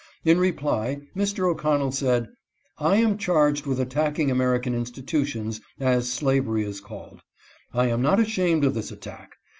In reply Mr. O'Connell said :" I am charged with attacking American institutions, as slavery is called ; I am not ashamed of this attack.